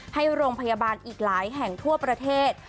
ให้โรงพยาบาลอีกหลายแห่งทั่วประเทศ